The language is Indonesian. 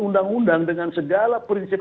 undang undang dengan segala prinsip